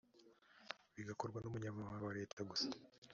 bigakorwa n umunyamabanga wa leta gusa